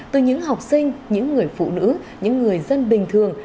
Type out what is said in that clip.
từ những học sinh những người phụ nữ những người dân bình thường